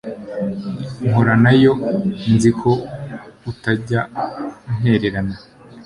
mpura nay o, nzi ko utajya untererana